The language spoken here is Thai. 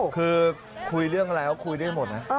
คือคุยเรื่องอะไรก็คุยได้หมดนะ